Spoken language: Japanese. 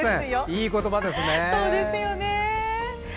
いい言葉ですね。